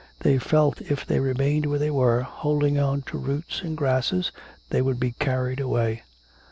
They felt if they remained where they were, holding on to roots and grasses, that they would be carried away.